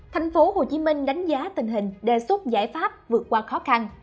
tp hcm đánh giá tình hình đề xuất giải pháp vượt qua khó khăn